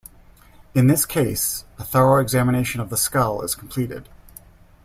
In this case, a thorough examination of the skull is completed.